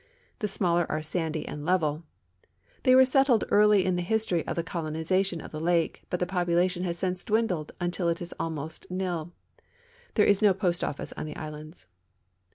The smaller are sandy and level. They were settled early in the history of the colonization of the lake, but the population has since dwindled until it is almost nil. There is no post office on the islands.